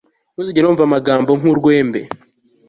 Ntuzigere wumva amagambo nkurwembe